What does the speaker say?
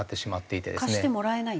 貸してもらえない？